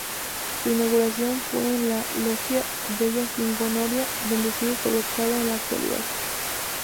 Su inauguración fue en la "Loggia della Signoria," donde sigue colocada en la actualidad.